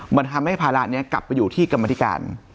มันทำให้ภาระนี้กลับไปอยู่ที่กรรมธิการ